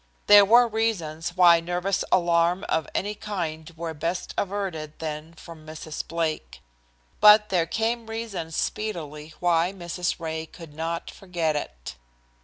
There were reasons why nervous alarm of any kind were best averted then from Mrs. Blake. But there came reason speedily why Mrs. Ray could not forget it.